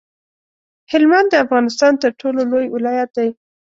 هلمند د افغانستان تر ټولو لوی ولایت دی.